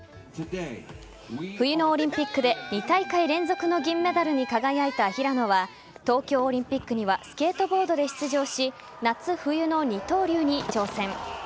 冬のオリンピックで２大会連続の銀メダルに輝いた平野は東京オリンピックにはスケートボードで出場し夏冬の二刀流に挑戦。